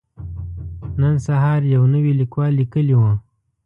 نن سهار يو نوي ليکوال ليکلي وو.